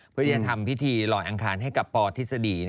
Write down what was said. เพื่อจะทำพิธีลอยอังคารให้กับปทฤษฎี